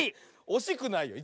おしくないよ。